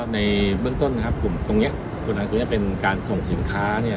ในเบื้องต้นนะครับกลุ่มตรงเนี่ยเป็นการส่งสินค้าเนี่ย